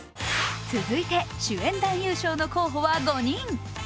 続いて、主演男優賞の候補は５人。